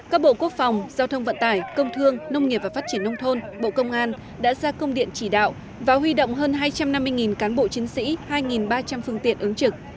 các bộ quốc phòng giao thông vận tải công thương nông nghiệp và phát triển nông thôn bộ công an đã ra công điện chỉ đạo và huy động hơn hai trăm năm mươi cán bộ chiến sĩ hai ba trăm linh phương tiện ứng trực